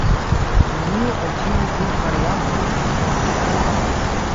Neniu el ĉiuj du variantoj estas observita.